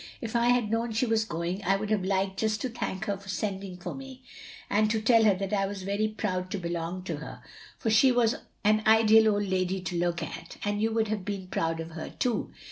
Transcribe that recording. If I had known she was going I would have liked just to thank her for sending for me; and to tell her I was very proud to belong to her, for she was an ideal old lady to look at, and you would have been proud of her too.